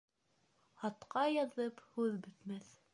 Хатҡа яҙып һүҙ бөтмәҫ.